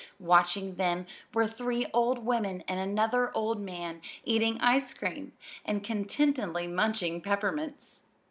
Watching them were three old women and another old man, eating ice cream and contentedly munching peppermints.